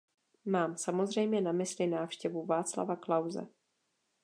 Mám samozřejmě na mysli návštěvu Václava Klause.